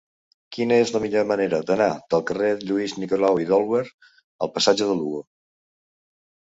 Quina és la millor manera d'anar del carrer de Lluís Nicolau i d'Olwer al passatge de Lugo?